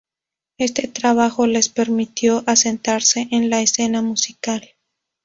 Este trabajo les permitió asentarse en la escena musical.